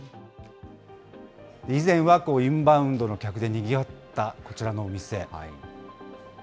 以前はインバウンドの客でにぎわったこちらのお店。